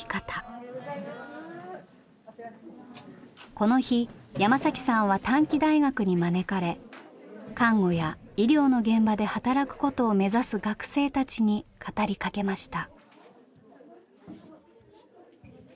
この日山さんは短期大学に招かれ看護や医療の現場で働くことを目指す学生たちに語りかけました。